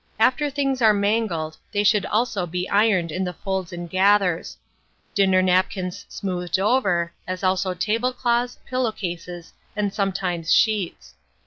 After things are mangled, they should also be ironed in the folds and gathers; dinner napkins smoothed over, as also table cloths, pillow cases, and sometimes sheets.